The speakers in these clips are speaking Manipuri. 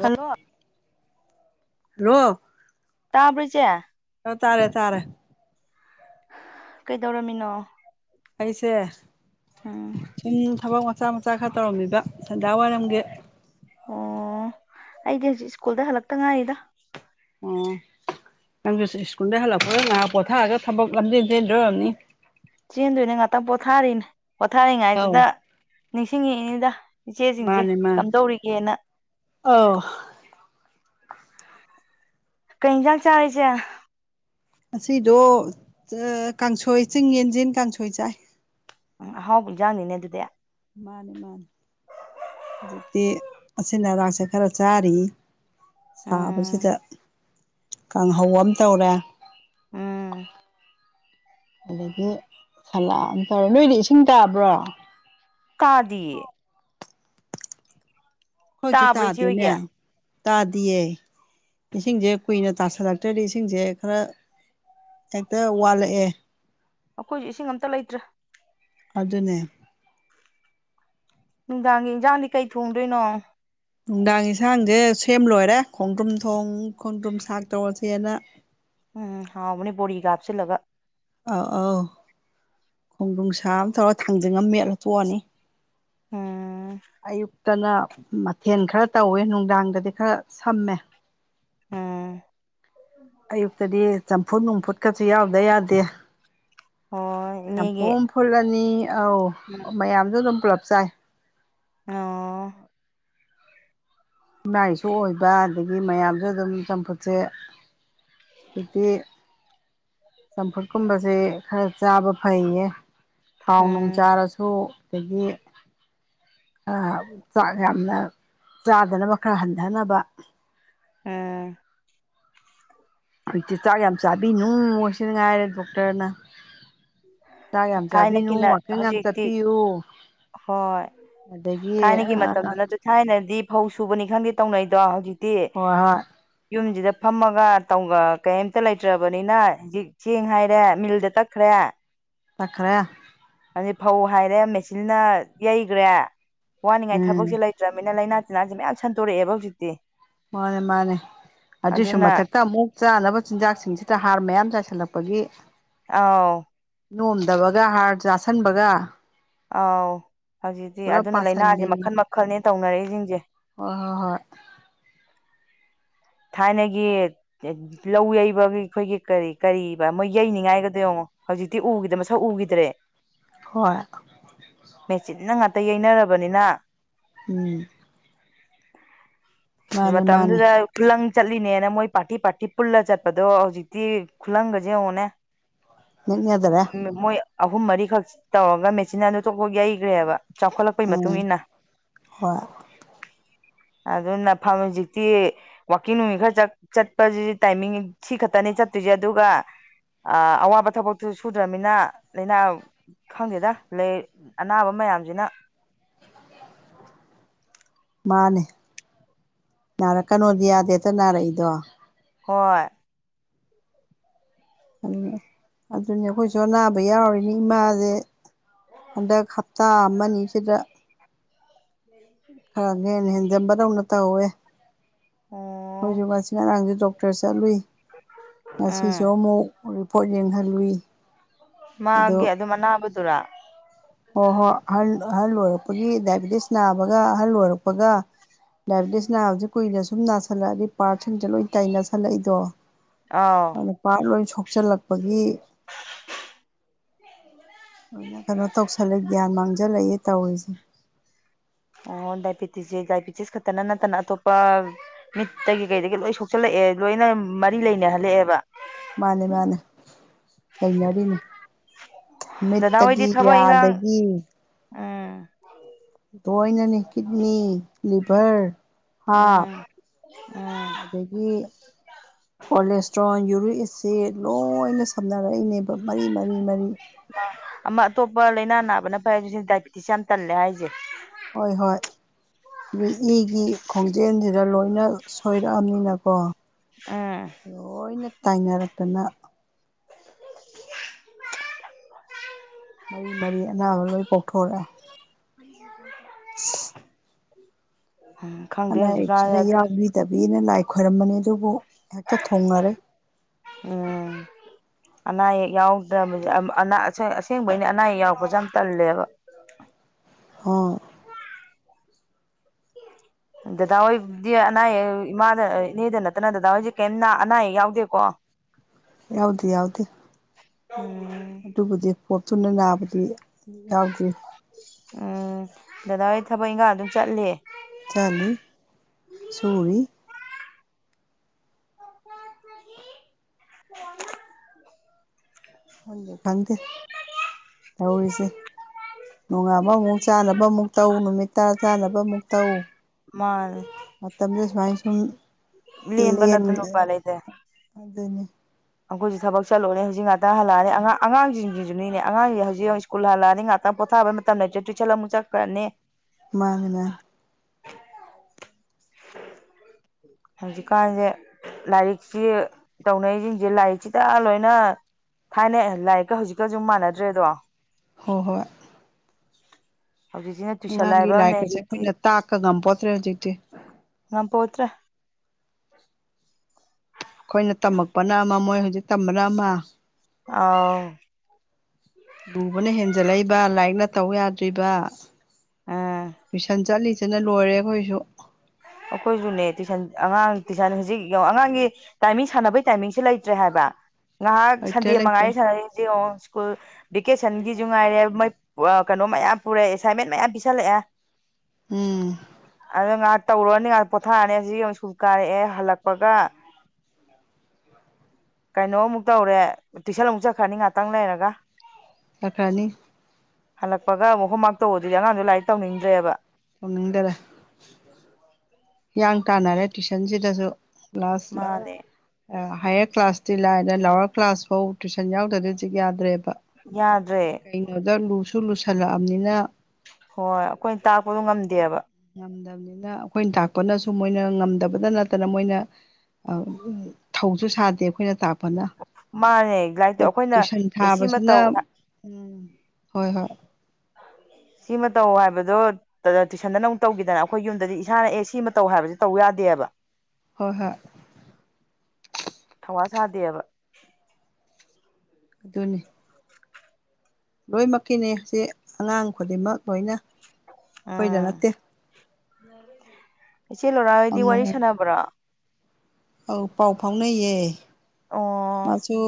ꯍꯜꯂꯣ ꯍꯜꯂꯣ ꯇꯕꯔꯣ ꯏꯆꯦ ꯑꯣ ꯇꯥꯔꯦ ꯇꯥꯔꯦ ꯀꯩꯗꯧꯔꯝꯃꯤꯅꯣ ꯑꯩꯁꯦ ꯎꯝ ꯁꯨꯝ ꯊꯕꯛ ꯃꯆꯥ ꯃꯆꯥ ꯈꯔ ꯇꯧꯔꯝꯃꯤꯕ ꯁꯦꯟꯗꯥ ꯋꯥꯏꯔꯝꯒꯤ ꯑꯣ ꯑꯩꯗꯤ ꯍꯧꯖꯤꯛ ꯁ꯭ꯀꯨꯜꯗ ꯍꯜꯂꯛꯇ ꯉꯥꯏꯔꯤꯗ ꯑꯣ ꯅꯪꯗꯨ ꯁ꯭ꯀꯨꯜꯗ ꯍꯜꯂꯛꯄꯒ ꯉꯥꯏꯍꯥꯛ ꯄꯣꯊꯥꯔꯥꯒ ꯊꯕꯛ ꯂꯝꯖꯦꯟ ꯆꯦꯟꯗꯣꯏ ꯑꯣꯏꯔꯝꯅꯤ ꯆꯦꯟꯗꯣꯏꯅꯦ ꯉꯥꯛꯇꯪ ꯄꯣꯊꯥꯔꯤꯅꯦ ꯑꯧ ꯄꯣꯊꯥꯔꯤꯉꯥꯏꯁꯤꯗ ꯅꯤꯡꯁꯤꯡꯉꯛꯏꯅꯤꯗ ꯏꯆꯦꯁꯤꯡꯁꯦ ꯀꯝꯗꯧꯔꯤꯒꯦꯅ ꯑ ꯀꯩ ꯌꯦꯟꯖꯥꯡ ꯆꯔꯦ ꯏꯆꯦ ꯑꯁꯤꯗꯣ ꯀꯥꯡꯁꯣꯏ ꯆꯤꯡ ꯌꯦꯟꯁꯤꯟ ꯀꯥꯡꯁꯣꯏ ꯆꯥꯏ ꯎ ꯑꯍꯥꯎꯕ ꯑꯦꯟꯖꯥꯡꯅꯤꯅꯦ ꯑꯗꯨꯗꯤ ꯃꯥꯅꯤ ꯃꯥꯅꯤ ꯍꯧꯖꯤꯛꯇꯤ ꯑꯁꯤꯟ ꯑꯔꯥꯛꯁꯦ ꯈꯔ ꯆꯥꯔꯤ ꯎꯝ ꯁꯥꯕꯁꯤꯗ ꯀꯥꯡꯍꯧ ꯑꯃ ꯇꯧꯔꯦ ꯎꯝ ꯑꯗꯒꯤ ꯐꯅꯥꯌꯝ ꯇꯧꯔꯦ ꯅꯣꯏꯗꯤ ꯏꯁꯤꯡ ꯇꯥꯕ꯭ꯔꯣ ꯇꯥꯗꯦ ꯑꯦ ꯑꯩꯈꯣꯌ ꯁꯨ ꯇꯥꯕ꯭ꯔꯣ ꯏꯆꯦ ꯍꯣꯏꯒꯤ ꯇꯥꯗꯦꯅꯦ ꯇꯥꯗꯤꯌꯦ ꯏꯁꯤꯡꯁꯦ ꯀꯨꯏꯅ ꯇꯥꯁꯜꯂꯛꯇ꯭ꯔꯗꯤ ꯏꯁꯤꯡꯁꯦ ꯈꯔ ꯍꯦꯛꯇ ꯋꯥꯠꯂꯛꯑꯦ ꯑꯩꯈꯣꯏꯁꯨ ꯏꯁꯤꯡ ꯑꯃ ꯇ ꯂꯩꯇ꯭ꯔꯦ ꯑꯗꯨꯅꯦ ꯅꯨꯡꯗꯥꯡꯒꯤ ꯏꯟꯖꯥꯡꯗꯤ ꯀꯩ ꯊꯣꯡꯗꯣꯏꯅꯣ ꯅꯨꯡꯗꯥꯡ ꯌꯦꯟꯁꯥꯡꯁꯦ ꯁꯦꯝ ꯂꯣꯏꯔꯦ ꯈꯣꯡꯗ꯭ꯔꯨꯝ ꯊꯣꯡ ꯈꯣꯡꯗ꯭ꯔꯨꯝ ꯁꯥꯛ ꯇꯧꯔꯁꯦꯅ ꯎꯝ ꯍꯥꯎꯕꯅꯤ ꯕꯣꯔꯤꯒ ꯀꯥꯞꯁꯤꯜꯂꯒ ꯑꯥꯎ ꯑꯧ ꯈꯣꯡꯗꯣꯡ ꯁꯥꯕ ꯇꯧꯔꯒ ꯊꯥꯡꯖꯟꯉ ꯃꯦꯠꯂ ꯇꯣꯛꯑꯅꯤ ꯎꯝ ꯑꯌꯨꯛꯇꯅ ꯃꯊꯦꯜ ꯈꯔ ꯇꯧꯋꯦ ꯅꯨꯡꯗꯥꯡꯗꯗꯤ ꯈꯔ ꯁꯝꯃꯦ ꯎꯝ ꯑꯌꯨꯛꯇꯗꯤ ꯆꯝꯐꯨꯠ ꯅꯨꯡꯐꯨꯠꯀꯁꯨ ꯌꯥꯎꯗ ꯌꯥꯗꯦ ꯍꯣꯏ ꯆꯝꯐꯨ ꯏꯅꯦꯒꯤ ꯐꯨꯜꯕꯅꯤ ꯑꯥꯎ ꯎꯝ ꯃꯌꯥꯝꯁꯨ ꯑꯗꯨꯝ ꯄꯨꯂꯞ ꯆꯥꯏ ꯑꯣ ꯏꯃꯥꯏꯁꯨ ꯑꯣꯏꯕ ꯑꯗꯒꯤ ꯃꯌꯥꯝꯁꯨ ꯑꯗꯨꯝ ꯆꯝꯐꯨꯠꯁꯦ ꯑꯗꯨꯗꯤ ꯆꯝꯐꯨꯠꯀꯨꯝꯕꯁꯦ ꯈꯔ ꯆꯥꯕ ꯐꯩꯌꯦ ꯊꯥꯎ ꯅꯨꯡ ꯎꯝ ꯆꯥꯔꯁꯨ ꯑꯗꯒꯤ ꯆꯥꯛ ꯌꯥꯝꯅ ꯐꯗꯅꯕ ꯈꯔ ꯍꯟꯊꯅꯕ ꯎꯝ ꯍꯧꯖꯤꯛꯇꯤ ꯆꯥꯛ ꯌꯥꯝ ꯆꯥꯕꯤꯅꯨ ꯑꯣꯏꯁꯤ ꯉꯥꯏꯔꯦ ꯗꯣꯛꯇꯔꯅ ꯆꯥꯛ ꯌꯥꯝ ꯆꯥꯕꯤꯅꯨ ꯊꯥꯏꯅꯒꯤꯅ ꯋꯥꯀꯤꯪ ꯌꯥꯝ ꯍꯧꯖꯤꯛꯇꯤ ꯆꯠꯄꯤꯌꯨ ꯍꯣꯏ ꯑꯗꯒꯤ ꯊꯥꯏꯅꯒꯤ ꯑ ꯃꯇꯝꯗꯨꯅꯁꯨ ꯊꯥꯏꯅꯗꯤ ꯐꯧ ꯁꯨꯕꯅꯤ ꯈꯪꯗꯦ ꯇꯧꯅꯩꯗꯣ ꯍꯧꯖꯤꯛꯇꯤ ꯍꯣꯏ ꯍꯣꯏ ꯌꯨꯝꯁꯤꯗ ꯐꯝꯃꯒ ꯀꯩꯝꯇ ꯂꯩꯇ꯭ꯔꯕꯅꯤꯅ ꯍꯧꯖꯤꯛ ꯁꯦꯡ ꯍꯥꯏꯔꯦ ꯃꯤꯜꯗ ꯇꯛꯈ꯭ꯔꯦ ꯆꯈ꯭ꯔꯦ ꯑꯗꯨ ꯐꯧ ꯍꯥꯏꯔꯦ ꯃꯦꯆꯤꯟꯅ ꯌꯩꯈ꯭ꯔꯦ ꯋꯥꯅꯤꯡꯉꯥꯏ ꯎꯝ ꯊꯕꯛꯁꯦ ꯂꯩ ꯂꯩꯠꯇ꯭ꯔꯃꯤꯅ ꯂꯥꯏꯅꯥ ꯇꯤꯟꯅꯥꯁꯦ ꯃꯌꯥꯝ ꯁꯟꯗꯣꯔꯛꯑꯦꯕ ꯍꯧꯖꯤꯛꯇꯤ ꯃꯥꯅꯦ ꯃꯥꯅꯦ ꯑꯗꯨꯁꯨ ꯑꯗꯨꯅ ꯃꯊꯛꯇ ꯑꯃꯨꯛ ꯆꯥꯅꯕ ꯆꯤꯟꯖꯥꯛꯁꯤꯡꯁꯤꯗ ꯍꯥꯔ ꯃꯌꯥꯝ ꯆꯥꯏꯁꯤꯜꯂꯛꯄꯒꯤ ꯑꯥꯎ ꯅꯣꯝꯗꯕꯒ ꯍꯥꯔ ꯆꯥꯥꯁꯟꯕꯒ ꯑꯥꯎ ꯍꯧꯖꯤꯛꯇꯤ ꯑꯗꯨꯅ ꯂꯥꯏꯅꯥꯁꯦ ꯃꯈꯜ ꯃꯈꯜꯅꯦ ꯇꯧꯅꯔꯛꯏꯁꯤꯡꯁꯦ ꯑꯣ ꯍ ꯊꯥꯏꯅꯒꯤ ꯂꯧ ꯌꯩꯕꯒꯤ ꯑꯩꯈꯣꯏꯒꯤ ꯀꯔꯤ ꯀꯔꯤꯕ ꯃꯣꯏ ꯌꯩꯅꯤꯡꯉꯥꯏꯒꯗꯣꯏ ꯌꯦꯡꯉꯣ ꯍꯧꯖꯤꯛꯇꯤ ꯎꯈꯤꯗ ꯃꯁꯛ ꯎꯈꯤꯗ꯭ꯔꯦ ꯍꯣꯏ ꯃꯦꯆꯤꯟꯅ ꯉꯥꯛꯇ ꯌꯩꯅꯔꯕꯅꯤꯅ ꯎꯝ ꯃꯥꯅꯤ ꯃꯥꯅꯤ ꯃꯝꯗ ꯈꯨꯂꯪ ꯆꯠꯂꯤꯅꯦꯅ ꯃꯣꯏ ꯄꯥꯔꯇꯤ ꯄꯥꯔꯇꯤ ꯄꯨꯜꯂ ꯆꯠꯄꯗꯣ ꯍꯧꯖꯤꯛꯇꯤ ꯈꯨꯂꯪꯒꯁꯦ ꯌꯦꯡꯉꯣꯅꯦ ꯅ ꯌꯥꯗ꯭ꯔꯦ ꯃꯣꯏ ꯑꯍꯨꯝ ꯃꯔꯤꯈꯛ ꯇꯧꯔꯒ ꯃꯦꯆꯤꯟ ꯑꯗꯨ ꯇꯣꯛ ꯌꯩꯈ꯭ꯔꯦꯕ ꯆꯥꯎꯈꯠꯂꯛꯄꯩ ꯃꯇꯨꯡ ꯎꯝ ꯏ ꯃꯇꯨꯡꯏꯟꯅ ꯍꯣꯏ ꯑꯗꯨꯅ ꯐꯥꯝ ꯍꯧꯖꯤꯛꯇꯤ ꯋꯥꯋꯀꯤꯡ ꯅꯨꯅꯨꯡꯃꯤꯠ ꯈꯔ ꯆꯠꯄꯁꯤꯗꯤ ꯇꯥꯏꯃꯤꯡ ꯁꯤ ꯈꯛꯇꯅꯦ ꯆꯠꯇꯣꯏꯁꯦ ꯑꯗꯨꯒ ꯑꯋꯥꯕ ꯊꯕꯛꯇꯨ ꯁꯨꯗ꯭ꯔꯅꯤꯅ ꯂꯥꯏꯅꯥ ꯈꯪꯗꯦꯗ ꯂꯩ ꯑꯅꯥꯕ ꯃꯌꯥꯝꯁꯤꯅ ꯃꯥꯅꯦ ꯅꯥꯔꯛꯀꯅꯣꯗꯤ ꯌꯥꯗꯦ ꯍꯦꯛꯇ ꯅꯥꯔꯛꯏꯗꯣ ꯍꯣꯏ ꯑꯗꯨꯅꯤ ꯑꯩꯈꯣꯏꯁꯨ ꯑꯅꯥꯕ ꯌꯥꯎꯔꯤꯅꯤ ꯏꯃꯥꯁꯦ ꯍꯟꯗꯛ ꯇꯥ ꯑꯃ ꯑꯁꯤꯗ ꯈꯔ ꯍꯦ ꯍꯦꯟꯖꯟꯕꯗꯧꯅ ꯇꯧꯋꯦ ꯑꯣ ꯑꯩꯣꯏꯁꯨ ꯉꯁꯤ ꯉꯔꯥꯡꯁꯨ ꯗꯣꯛꯇꯔ ꯆꯠꯂꯨꯏ ꯉꯁꯤꯁꯨ ꯎꯝ ꯑꯃꯨꯛ ꯎꯔꯤꯄꯣꯠ ꯌꯦꯡꯍꯜꯂꯨꯏ ꯃꯥꯒꯤ ꯑꯗꯣ ꯑꯗꯨꯝ ꯑꯅꯥꯕꯗꯨꯔꯥ ꯍꯣꯏ ꯍꯣꯏ ꯑꯍꯜ ꯑꯍꯜ ꯑꯣꯏꯔꯛꯄꯒꯤ ꯗꯥꯏꯕꯤꯑꯦꯇꯤꯁ ꯅꯥꯕꯒ ꯑꯍꯜ ꯑꯣꯏꯔꯛꯄꯒ ꯗꯥꯏꯕꯦꯇꯤꯁ ꯅꯥꯕꯕꯁꯤ ꯀꯨꯏꯅ ꯁꯨꯝ ꯅꯥꯁꯤꯜꯂꯛꯑꯗꯤ ꯄꯥꯔꯠꯁꯤꯡꯁꯦ ꯂꯣꯏꯅ ꯇꯥꯏ ꯅꯥꯁꯜꯂꯛꯏꯗꯣ ꯑꯥꯎ ꯅꯨꯄꯥ ꯂꯣꯏ ꯁꯣꯛꯆꯤꯜꯂꯛꯄꯒꯤ ꯂꯣꯏꯅ ꯀꯩꯅꯣ ꯇꯧꯁꯜꯂꯦ ꯒ꯭ꯌꯥꯟ ꯃꯥꯡꯖꯜꯂꯛꯏ ꯑꯦ ꯇꯧꯔꯤꯁꯦ ꯑꯣ ꯗꯥꯏꯕꯤꯦꯇꯤꯁꯁꯦ ꯗꯥꯏꯕꯤꯑꯦꯇꯤꯁ ꯈꯛꯇꯅ ꯅꯠꯇꯅ ꯑꯇꯣꯞꯄ ꯃꯤꯠꯇꯒꯤ ꯀꯩꯗꯒꯤ ꯂꯣꯏ ꯁꯣꯛꯆꯜꯂꯛꯑꯦ ꯂꯣꯏꯅ ꯃꯔꯤ ꯂꯩꯅꯍꯜꯂꯛꯑꯦꯕ ꯃꯥꯅꯦ ꯃꯥꯅꯦ ꯂꯩꯅꯔꯤꯅꯤ ꯃꯠꯇꯒꯤ ꯌꯥꯗꯗꯒꯤ ꯑꯥ ꯂꯣꯏꯅꯅꯦ ꯀꯤꯠꯅꯤ ꯂꯤꯚꯔ ꯍꯥ ꯎꯝ ꯎꯝ ꯑꯗꯒꯤ ꯀꯣꯂꯦꯁꯇ꯭ꯔꯣꯣꯟ ꯌꯨꯔꯤꯁ ꯁꯦ ꯂꯣꯏꯅ ꯁꯝꯅꯔꯛꯏꯅꯦꯕ ꯃꯔꯤ ꯃꯔꯤ ꯃꯔꯤ ꯑꯃ ꯑꯇꯣꯞꯄ ꯂꯥꯏꯅꯥ ꯅꯥꯕꯅ ꯐꯩꯁꯤ ꯁꯤ ꯗꯥꯏꯕꯤꯦꯇꯤꯁ ꯌꯥꯝꯅ ꯇꯜꯂꯦ ꯍꯥꯏꯁꯦ ꯍꯣꯏ ꯍꯣꯏ ꯏꯒꯤ ꯈꯣꯡꯖꯦꯜꯁꯤꯗ ꯂꯣꯏꯅ ꯁꯣꯏꯔꯛꯑꯅꯤꯅꯀꯣ ꯎꯝ ꯂꯣꯏꯅ ꯇꯥꯏꯅꯔꯛꯇꯅ ꯃꯔꯤ ꯃꯔꯤ ꯑꯅꯥꯕ ꯂꯣꯏ ꯀꯣꯛꯊꯣꯔꯛꯑꯦ ꯎ ꯎꯝ ꯈꯪꯗꯦ ꯑꯅꯥ ꯍꯧꯖꯤꯛꯀꯥꯟ ꯑꯌꯦꯛꯁꯤꯗ ꯑꯗꯨ ꯌꯥꯎꯕꯤꯗꯕꯤꯅ ꯂꯥꯏ ꯈꯣꯏꯔꯝꯕꯅꯤ ꯑꯗꯨꯕꯨ ꯍꯦꯛꯇ ꯊꯣꯡꯉꯔꯦ ꯎꯝ ꯑꯅꯥ ꯑꯌꯦꯛ ꯌꯥꯎꯗ꯭ꯔꯕ ꯑꯁꯦꯡꯕ ꯑꯩꯅ ꯑꯅꯥ ꯑꯌꯦꯛ ꯌꯥꯎꯔꯛꯄꯁꯦ ꯌꯥꯝ ꯇꯜꯂꯦꯕ [unintelligible] ꯗꯗꯥ ꯍꯣꯏꯗꯤ ꯑꯅꯥ ꯑꯌꯦꯛ ꯏꯃꯥꯗ ꯏꯅꯦꯗ ꯅꯠꯇꯅ ꯗꯗꯥ ꯍꯣꯏꯁꯦ ꯀꯩꯝ ꯑꯅꯥ ꯑꯌꯦꯛ ꯌꯥꯎꯗꯦꯀꯣ ꯌꯥꯎꯗꯤꯦ ꯌꯥꯎꯗꯦ ꯎꯝ ꯑꯗꯨꯕꯨꯗꯤ ꯄꯣꯞꯇꯨꯅ ꯅꯥꯕꯗꯤ ꯌꯥꯥꯎꯗ꯭ꯔꯤ ꯎꯝ ꯗꯗꯥ ꯍꯣꯏ ꯊꯕꯛ ꯏꯪꯈꯥꯡ ꯑꯗꯨꯝ ꯆꯠꯂꯦ ꯆꯥꯠꯂꯤ ꯁꯨꯔꯤ [unintelligible] ꯈꯪꯗꯦ ꯈꯪꯗꯦ ꯇꯧꯔꯤꯁꯦ ꯅꯣꯡꯉꯥꯕ ꯑꯃꯨꯛ ꯆꯥꯅꯕ ꯑꯃꯨꯛ ꯇꯧ ꯅꯨꯃꯤꯠ ꯇ ꯆꯥꯅꯕ ꯑꯃꯨꯛ ꯇꯧ ꯃꯥꯅꯦ ꯃꯇꯝꯗ ꯁꯨꯃꯥꯏ ꯁꯨꯝ ꯂꯦꯝꯕ ꯅꯠꯇꯅ ꯂꯦꯟꯒꯦ ꯎꯄꯥꯏ ꯑꯗꯨꯅꯤ ꯑꯩꯪꯈꯣꯏꯁꯨ ꯊꯛ ꯆꯠꯂꯨꯔꯅꯦ ꯍꯧꯖꯤꯛ ꯉꯥꯛꯇ ꯍꯜꯂꯛꯑ ꯑꯉꯥꯡ ꯑꯉꯥꯡꯁꯤꯡꯁꯤꯁꯨꯅꯤꯅꯦ ꯑꯉꯥꯡꯁꯦ ꯍꯧꯖꯤꯛ ꯍꯧꯖꯤꯛ ꯏꯁ꯭ꯀꯨꯜꯂꯛꯑꯅꯤ ꯉꯥꯛꯇ ꯄꯣꯊꯥꯕ ꯃꯇꯝꯗ ꯇꯨꯏꯁꯟ ꯑꯃꯨꯛ ꯆꯠꯈ꯭ꯔꯅꯤ ꯃꯥꯥꯅꯦ ꯃꯥꯅꯦ ꯍꯧꯖꯤꯀꯥꯟꯖꯦ ꯂꯥꯏꯔꯤꯛꯁꯤ ꯇꯧꯅꯩꯁꯤꯡꯁꯦ ꯂꯥꯏꯔꯤꯛꯁꯤꯗ ꯂꯣꯏꯅ ꯊꯥꯏꯅꯦ ꯂꯥꯏꯔꯤꯛꯀ ꯍꯧꯖꯤꯛꯀꯁꯨ ꯃꯥꯟꯅꯗ꯭ꯔꯦꯗꯣ ꯍꯣꯏ ꯍꯣꯏ ꯍꯧꯖꯤꯛꯁꯤꯅ ꯇꯨꯁꯟ ꯑꯉꯥꯡꯒꯤ ꯍꯥꯏꯕꯝꯅꯦ ꯂꯥꯏꯔꯤꯛꯀꯁꯦ ꯍꯧꯖꯤꯛꯇꯤ ꯑꯩꯈꯣꯏꯅ ꯇꯥꯛꯀ ꯉꯝ ꯄꯣꯠꯇ꯭ꯔꯦ ꯍꯧꯖꯤꯛꯇꯤ ꯉꯝꯄꯣꯇ꯭ꯔꯦ ꯑꯩꯈꯣꯏꯅ ꯇꯝꯃꯛꯄꯅ ꯑꯃ ꯃꯣꯏ ꯍꯧꯖꯤꯛ ꯇꯝꯕꯅ ꯑꯃ ꯑꯥꯎ ꯂꯨꯕꯅ ꯍꯦꯟꯖꯜꯂꯛꯏꯕ ꯂꯥꯏꯔꯤꯛꯅ ꯇꯧ ꯌꯥꯗ꯭ꯔꯤꯕ ꯎꯝ ꯇꯨꯏꯁꯟ ꯆꯠꯂꯤꯁꯤ ꯁꯤꯅ ꯂꯣꯏꯔꯦ ꯑꯩꯈꯣꯏꯁꯨ ꯑꯩꯈꯣꯏꯁꯨꯅꯦ ꯇꯨꯏꯁꯟ ꯑꯉꯥꯡ ꯇꯨꯏꯁꯟ ꯍꯧꯖꯤꯛ ꯑꯉꯥꯡꯒꯤ ꯇꯥꯏꯃꯤꯡ ꯁꯥꯟꯅꯕꯩ ꯇꯥꯏꯃꯤꯡꯁꯦ ꯂꯩꯇ꯭ꯔꯦ ꯍꯥꯏꯕ ꯉꯥꯏꯍꯥꯛ ꯂꯩꯇ꯭ꯔꯦ ꯁꯟꯗꯦ ꯂꯩꯇ꯭ꯔꯦ ꯃꯉꯥꯔꯤ ꯁꯥꯟꯅꯔꯤꯁꯤ ꯌꯦꯉ ꯁ꯭ꯀꯨꯜ ꯚꯦꯀꯦꯁꯟꯒꯤꯁꯨ ꯉꯥꯏꯔꯦ ꯃꯣꯏ ꯀꯩꯅꯣ ꯃꯌꯥꯝ ꯄꯨꯔꯑꯦ ꯑꯦꯁꯥꯏꯟꯃꯦꯟ ꯃꯌꯥꯝ ꯄꯤꯁꯜꯂꯛꯑꯦ ꯎꯝ ꯑꯗꯨ ꯉꯥꯛ ꯇꯧꯔꯨꯔꯅꯤ ꯉꯥꯛ ꯄꯣꯊꯥꯔꯅꯤ ꯁꯤ ꯑꯃꯨꯛ ꯁꯨꯝ ꯀꯥꯔꯛꯑꯦ ꯍꯜꯂꯛꯄꯒ ꯀꯩꯅꯣꯃꯨꯛ ꯇꯧꯔꯦ ꯇꯨꯏꯁꯟ ꯑꯃꯨꯛ ꯆꯠꯈ꯭ꯔꯅꯤ ꯉꯥꯛꯇꯪ ꯂꯩꯔꯒ ꯆꯠꯈ꯭ꯔꯅꯤ ꯍꯜꯂꯛꯄꯒ ꯑꯃꯨꯛꯍꯣꯋꯔꯥꯛ ꯇꯧꯕ ꯑꯗꯨꯗꯤ ꯑꯉꯥꯡ ꯗꯣ ꯂꯥꯏꯔꯤꯛ ꯇꯧꯅꯤꯡꯗ꯭ꯔꯦꯕ ꯇꯧꯅꯤꯡꯗꯔꯦ ꯍꯤꯌꯥꯡ ꯇꯥꯟꯅꯔꯦ ꯇꯨꯏꯁꯟꯁꯤꯗꯁꯨ ꯀ꯭ꯂꯥꯁ ꯃꯥꯅꯦ ꯍꯥꯌꯌꯔ ꯀ꯭ꯂꯥꯁꯇꯤ ꯂꯥꯛꯑꯅ ꯂꯥꯋꯥꯔ ꯀ꯭ꯂꯥꯁ ꯐꯧ ꯇꯨꯏꯁꯟ ꯌꯥꯎꯗꯗ ꯍꯧꯖꯤꯛ ꯌꯥꯗ꯭ꯔꯦꯕ ꯌꯥꯗ꯭ꯔꯦ ꯀꯩꯅꯣꯗ ꯂꯨꯁꯨ ꯂꯨꯁꯜꯂꯛꯑꯕꯅꯤꯅ ꯍꯣꯏ ꯑꯩꯈꯣꯏꯅ ꯇꯥꯛꯄꯗꯨ ꯉꯝꯗꯦꯕ ꯉꯝꯗꯕꯅꯤꯅ ꯑꯩꯈꯣꯏꯅ ꯇꯥꯛꯄꯅꯁꯨ ꯃꯣꯏꯅ ꯉꯝꯗꯕꯇ ꯅꯠꯇꯅ ꯃꯣꯏꯅ ꯊꯧꯁꯨ ꯁꯥꯗꯦ ꯑꯩꯈꯣꯏꯅ ꯇꯥꯛ ꯃꯥꯅꯦ ꯂꯥꯏꯔꯤꯛꯇꯣ [unintelligible] ꯑꯩꯈꯣꯏꯅ ꯇꯨꯏꯁꯟ ꯑꯦ ꯁꯤꯃ ꯊꯥꯕꯁꯤꯅ ꯇꯧ ꯎꯝ ꯍꯣꯏ ꯍꯣꯏ ꯁꯤꯃ ꯇꯧ ꯍꯥꯏꯕꯗꯣ ꯗꯅ ꯇꯨꯏꯁꯟꯗꯅ ꯑꯃꯨꯛ ꯇꯧꯈꯤꯗꯅ ꯑꯩꯈꯣꯏ ꯌꯨꯝꯗꯗꯤ ꯏꯁꯥꯅ ꯑꯦ ꯁꯤꯃ ꯇꯧ ꯍꯥꯏꯁ ꯇꯧ ꯌꯥꯗꯦꯕ ꯍꯣꯏ ꯍꯣꯏ ꯊꯧꯋꯥ ꯁꯥꯗꯦꯕ ꯑꯗꯨꯅꯤ ꯂꯣꯏꯅꯃꯛꯀꯤꯅꯤ ꯁꯤ ꯑꯉꯥꯡ ꯈꯨꯗꯤꯡꯃꯛ ꯂꯣꯏꯅ ꯑꯩꯈꯣꯏꯗ ꯎꯝ ꯅꯠꯇꯦ ꯏꯆꯦ ꯂꯣꯔꯥ ꯍꯣꯏꯗꯤ ꯍꯪꯉꯨ ꯋꯥꯔꯤ ꯍꯪꯉꯨ ꯁꯥꯟꯅꯕ꯭ꯔꯥ ꯑꯧ ꯄꯥꯎ ꯐꯥꯎꯅꯩꯌꯦ ꯃꯥꯁꯨ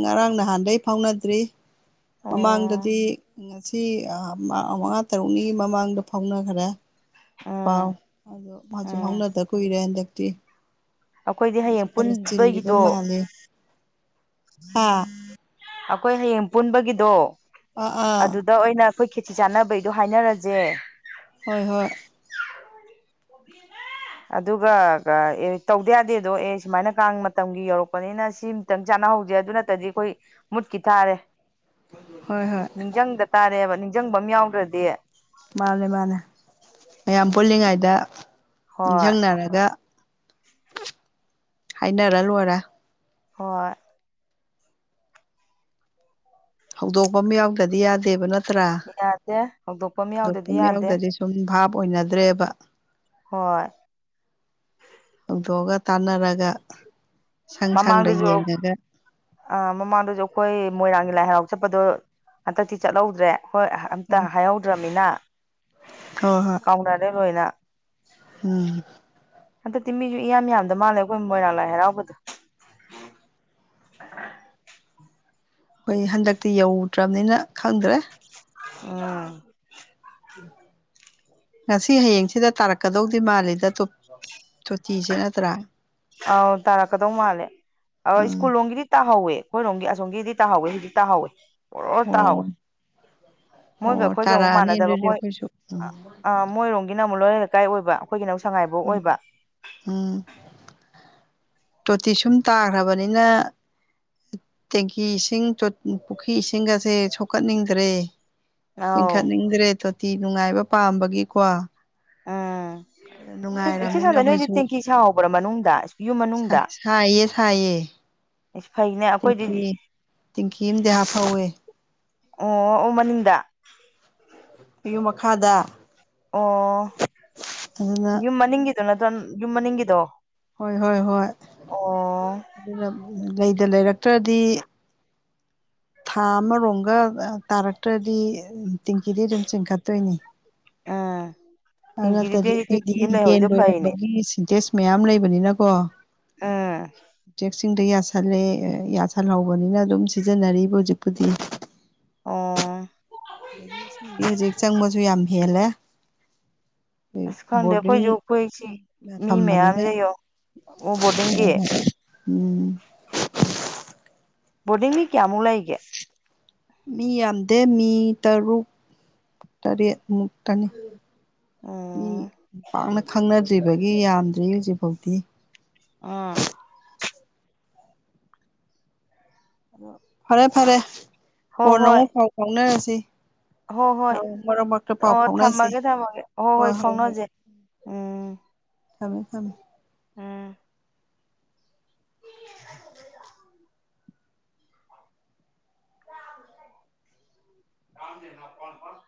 ꯉꯔꯥꯡ ꯅꯍꯥꯟꯗꯩ ꯐꯥꯎꯅꯗ꯭ꯔꯤ ꯑꯣ ꯎꯝ ꯃꯃꯥꯡꯗꯗꯤ ꯉꯁꯤ ꯃꯉꯥ ꯇꯔꯨꯛꯅꯤꯒꯤ ꯃꯃꯥꯡꯗ ꯐꯥꯎꯅꯈꯔꯦ ꯄꯥꯎ ꯑꯗ ꯃꯥꯁꯨ ꯎꯝ ꯐꯥꯎꯅꯗ ꯀꯨꯏꯔꯦ ꯍꯟꯗꯛꯇꯤ ꯑꯩꯈꯣꯏꯗꯤ ꯃꯥꯁꯨ ꯍꯌꯦꯡ ꯈꯔ ꯆꯤꯜꯂꯤꯕ ꯄꯨꯟꯕꯒꯤꯗꯣ ꯃꯥꯜꯂꯦ ꯍꯥ ꯑꯩꯈꯣꯏ ꯍꯌꯦꯡ ꯄꯨꯟꯕꯒꯤꯗꯣ ꯑꯥ ꯑꯥ ꯑꯗꯨꯗ ꯑꯣꯏꯅ ꯑꯩꯈꯣꯏ ꯈꯦꯆꯤ ꯆꯥꯅꯕꯩꯗꯣ ꯍꯥꯏꯅꯔꯁꯦ ꯍꯣꯏ ꯍꯣꯏ ꯑꯣꯍ ꯑꯗꯨꯒ ꯑꯦ ꯇꯧꯗ ꯌꯥꯗꯦꯗꯣ ꯑꯦ ꯁꯨꯃꯥꯏꯅ ꯀꯥꯡ ꯃꯇꯝꯒꯤ ꯌꯧꯔꯛꯄꯅꯤꯅ ꯁꯤ ꯈꯤꯇꯪ ꯆꯥꯅꯍꯧꯖꯦ ꯑꯗꯨ ꯅꯠꯇꯗꯤ ꯑꯩꯈꯣꯏ ꯃꯨꯠꯀꯤ ꯇꯥꯔꯦ ꯍꯣꯏ ꯍꯣꯏ ꯅꯤꯡꯁꯤꯡꯗ ꯇꯥꯔꯦꯕ ꯅꯤꯡꯁꯤꯡꯕ ꯑꯃ ꯌꯥꯎꯗ꯭ꯔꯗꯤ ꯃꯥꯅꯦ ꯃꯥꯅꯦ ꯃꯌꯥꯝ ꯄꯨꯜꯂꯤꯉꯩꯗ ꯍꯣꯏ ꯅꯤꯡꯁꯤꯡꯅꯔꯒ ꯍꯥꯏꯅꯔ ꯂꯣꯏꯔꯦ ꯍꯣꯏ ꯍꯧꯗꯣꯛꯐꯝ ꯌꯥꯎꯗꯗꯤ ꯌꯥꯗꯦꯕ ꯅꯠꯇ꯭ꯔꯥ ꯌꯥꯗꯦ ꯍꯧꯗꯣꯛꯄ ꯑꯃ ꯌꯥꯎꯗ꯭ꯔꯗꯤ ꯍꯧꯗꯣꯛꯐꯝ ꯌꯥꯗꯦ ꯌꯥꯎꯗꯗꯤ ꯁꯨꯝ ꯚꯥꯞ ꯑꯣꯏꯅꯗ꯭ꯔꯦꯕ ꯍꯣꯏ ꯍꯧꯗꯣꯛꯑꯒ ꯇꯥꯟꯅꯔꯒ ꯁꯪ ꯁꯪꯗ ꯃꯃꯥꯡꯥꯡꯗꯁꯨ ꯌꯦꯡꯉꯒ ꯑ ꯃꯃꯥꯡꯗꯁꯨ ꯑꯩꯈꯣꯏ ꯃꯣꯏꯔꯥꯡꯒꯤ ꯂꯥꯏ ꯍꯔꯥꯎ ꯆꯠꯄꯗꯣ ꯍꯟꯗꯛꯇꯤ ꯆꯠꯍꯧꯗ꯭ꯔꯦ ꯍꯣꯏ ꯑꯃ ꯇ ꯍꯥꯏꯍꯧꯗ꯭ꯔꯃꯤꯅ ꯍ ꯍꯣꯏ ꯀꯥꯎꯅꯥꯔꯦ ꯂꯣꯏꯅ ꯎꯝ ꯍꯟꯗꯛꯇꯤ ꯃꯤꯁꯨ ꯏꯌꯥꯝ ꯌꯥꯝꯗ ꯃꯥꯜꯂꯦ ꯑꯩꯈꯣꯏ ꯃꯣꯏꯔꯥꯡ ꯂꯥꯏ ꯍꯔꯥꯎꯕꯗꯣ ꯑꯩꯈꯣꯏ ꯍꯟꯗꯛꯇꯤ ꯌꯧꯗ꯭ꯔꯕꯅꯤꯅ ꯈꯪꯗ꯭ꯔꯦ ꯎꯝ ꯉꯁꯤ ꯍꯌꯦꯡꯁꯤꯗ ꯇꯥꯔꯛꯀꯗꯧꯗꯤ ꯃꯥꯜꯂꯤꯗ ꯇꯣꯇꯤꯁꯦ ꯅꯠꯇ꯭ꯔꯥ ꯑꯥꯎ ꯇꯥꯔꯛꯀꯗꯧ ꯃꯥꯜꯂꯦ ꯎꯝ ꯁ꯭ꯀꯨꯜ ꯂꯣꯝꯒꯤꯗꯤ ꯇꯥꯍꯧꯋꯦ ꯑꯩꯈꯣꯏ ꯂꯣꯝꯒꯤ ꯑꯁꯣꯝꯒꯤꯗꯤ ꯇꯥꯍꯧꯋꯦ ꯍꯧꯗꯤ ꯇꯥꯍꯧꯋꯦ ꯄꯨꯔꯣꯔ ꯇꯥꯍꯧꯋꯤ ꯑꯣ ꯃꯣꯏꯒ ꯑꯣ ꯑꯩꯈꯣꯏꯒ ꯑꯃꯨꯛ ꯇꯥꯔꯛꯑꯅꯤ ꯃꯥꯟꯅꯗꯕ ꯑꯗꯨꯗꯤ ꯃꯣꯏ ꯑꯩꯈꯣꯏꯁꯨ ꯎꯝ ꯑ ꯃꯣꯏꯔꯣꯝꯒꯤꯅ ꯑꯃꯨꯛ ꯂꯣꯏꯔ ꯂꯩꯀꯥꯏ ꯑꯣꯏꯕ ꯑꯩꯈꯣꯏꯒꯤꯅ ꯑꯃ ꯁꯉꯥꯏꯐꯧ ꯑꯣꯏꯕ ꯎꯝ ꯎꯝ ꯇꯣꯇꯤ ꯁꯨꯝ ꯇꯥꯈ꯭ꯔꯕꯅꯤꯅ ꯇꯦꯡꯀꯤ ꯏꯁꯤꯡ ꯄꯨꯈ꯭ꯔꯤ ꯏꯁꯤꯡ ꯑꯁꯦ ꯁꯣꯛꯀꯠꯅꯤꯡꯗ꯭ꯔꯦ ꯑꯧ ꯆꯤꯡꯈꯠꯅꯤꯡꯗ꯭ꯔꯦ ꯇꯣꯇꯤ ꯅꯨꯡꯉꯥꯏꯕ ꯄꯥꯝꯕꯒꯤꯀꯣ ꯎꯝ ꯑꯗ ꯁꯤ ꯅꯨꯡꯉꯥꯏꯔꯕꯅꯤꯅ ꯁꯝꯅ ꯅꯣꯏꯗꯤ ꯑꯩꯈꯣꯏꯁꯨ ꯇꯦꯡꯀꯤ ꯁꯥꯍꯧꯕ꯭ꯔꯥ ꯃꯅꯨꯡꯗꯄꯤꯌꯨ ꯃꯅꯨꯡꯗ ꯍꯥꯏꯥꯏꯑꯌꯦꯁ ꯍꯥꯏꯥꯏꯑꯌꯦ ꯏꯁꯤ ꯐꯥꯏꯅꯦ ꯇꯦꯡꯀꯤ ꯇꯦꯡꯀꯤ ꯑꯃꯗ ꯍꯥ ꯐꯧꯏꯦ ꯑꯣ ꯑꯣ ꯃꯅꯤꯡꯗ ꯃꯌꯨꯝ ꯃꯈꯥꯗ ꯑꯣ ꯑꯗꯨꯅ ꯌꯨꯝ ꯃꯅꯤꯡꯒꯤꯗꯣ ꯅꯠꯇ꯭ꯔꯣ ꯌꯨꯝ ꯃꯅꯤꯡꯒꯤꯗꯣ ꯍꯣꯏ ꯍꯣꯏ ꯍꯣꯏ ꯑꯣ ꯑꯗꯨꯅ ꯂꯩꯗ ꯂꯩꯔꯛꯇ꯭ꯔꯗꯤ ꯊꯥ ꯑꯃꯔꯣꯝꯒ ꯇꯥꯔꯛꯇ꯭ꯔꯗꯤ ꯇꯦꯡꯀꯤꯗꯤ ꯑꯗꯨꯝ ꯆꯤꯡꯈꯠꯇꯣꯏꯅꯤ ꯎꯝ ꯑꯗꯨ ꯇꯦꯡꯀꯤꯗꯤ ꯅꯠꯇ꯭ꯔꯗꯤ ꯅꯣꯏꯗꯤ ꯇꯦꯡꯀꯤ ꯑꯃ ꯑꯩꯈꯣꯏꯗꯤ ꯌꯦꯟ ꯂꯩꯍꯧꯔꯤꯗꯣ ꯐꯩꯅꯦ ꯂꯣꯏꯔꯝꯕꯒꯤ ꯁꯤꯟꯇꯦꯖ ꯃꯌꯥꯝ ꯂꯩꯕꯅꯤꯅꯀꯣ ꯎꯝ ꯎꯆꯦꯛꯁꯤꯡꯗ ꯌꯥꯁꯜꯂꯦ ꯌꯥꯁꯜꯍꯧꯕꯅꯤꯅ ꯑꯗꯨꯝ ꯁꯤꯖꯤꯟꯅꯔꯤꯕ ꯍꯧꯖꯤꯛꯄꯨꯗꯤ ꯑꯥ ꯑꯗꯒꯤ ꯏꯁꯤꯡꯗꯤ ꯍꯧꯖꯤꯛ ꯆꯪꯕꯁꯨ ꯌꯥꯝ ꯍꯦꯜꯂꯦ ꯑꯩꯣꯏ ꯑꯁ ꯈꯪꯗꯦ ꯕꯣꯔꯗꯤꯡ ꯑꯩꯈꯣꯏꯁꯨ ꯑꯩꯈꯣꯏꯁꯤ ꯃꯤ ꯊꯝꯕꯅꯤꯅ ꯃꯌꯥꯝꯁꯦ ꯑꯣ ꯕꯣꯔꯗꯤꯡꯒꯤ ꯎꯝ ꯕꯣꯔꯗꯤꯡꯗꯤ ꯀꯌꯥꯃꯨꯛ ꯂꯩꯒꯦ ꯃꯤ ꯌꯥꯝꯗꯦ ꯃꯤ ꯇꯔꯨꯛ ꯇꯔꯦꯠꯃꯨꯛꯀꯅꯤ ꯃꯤ ꯎꯝ ꯄꯥꯛꯅ ꯈꯪꯅꯗ꯭ꯔꯤꯕꯒꯤ ꯌꯥꯝꯗ꯭ꯔꯤ ꯍꯧꯖꯤꯛꯐꯥꯎꯗꯤꯤ ꯑ ꯑ ꯐꯔꯦ ꯐꯔꯦ ꯍꯣꯏ ꯀꯣꯟꯅꯥ ꯍꯣꯏ ꯑꯃꯨꯛ ꯄꯥꯎ ꯐꯥꯎꯅꯔꯁꯤ ꯍꯣꯏ ꯑ ꯍꯣꯏ ꯃꯔꯛ ꯃꯔꯛꯇ ꯄꯥꯎ ꯑꯣ ꯐꯥꯎꯅꯁꯤ ꯊꯝꯃꯒꯦ ꯊꯝꯃꯒꯦ ꯍꯣꯏ ꯍꯣꯏ ꯍꯣꯏ ꯐꯥꯎꯅꯖꯦ ꯎꯝ ꯊꯝꯃꯦ ꯊꯝꯃꯦ ꯎꯝ [inaudible] ꯀ ꯐ ꯐ